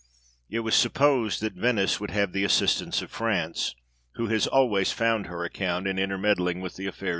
It was supposed that Venice would have the assistance of France, who has always found her account in intermeddling with the affairs of Italy.